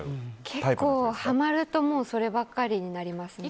結構、ハマるとそればかりになりますね。